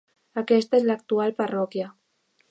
Aquesta és l'actual parròquia.